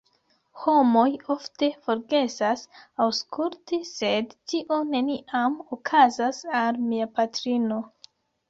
Homoj ofte forgesas aŭskulti sed tio neniam okazas al mia patrino.